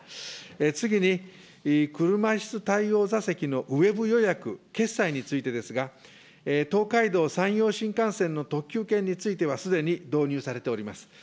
次に、車いす対応座席のウェブ予約、決済についてですが、東海道・山陽新幹線の特急券については、すでに導入されております。